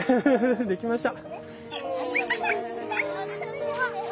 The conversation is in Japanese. できました。